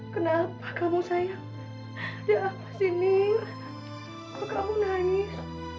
kenapa kamu sayang di sini kamu nangis